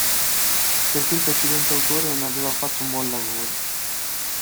Perché il precedente autore non aveva fatto un buon lavoro.